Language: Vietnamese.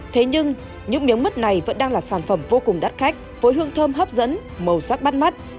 thế nhưng những miếng mứt này vẫn đang là sản phẩm vô cùng đắt khách với hương thơm hấp dẫn màu sắc bắt mắt